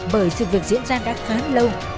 bởi sự việc diễn ra đã khá lâu